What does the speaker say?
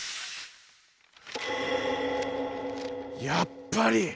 やっぱり！